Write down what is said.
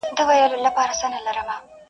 ښاغلی محمد صدیق پسرلي-